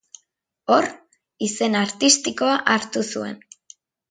Hor, izen artistikoa hartu zuen.